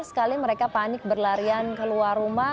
sekali mereka panik berlarian keluar rumah